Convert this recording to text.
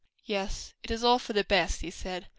"Yes, it is all for the best," he said.